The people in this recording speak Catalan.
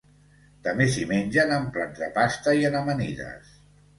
També s'hi mengen en plats de pasta i en amanides.